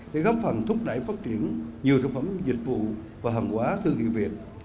để góp phần thúc đẩy phát triển nhiều sản phẩm dịch vụ và hàng hóa thương hiệu việt